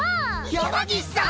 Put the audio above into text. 山岸さん！